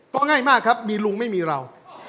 เพราะง่ายมากครับมีลุงไม่มีเรา